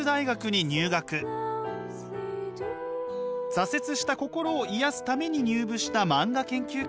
挫折した心を癒やすために入部した漫画研究会。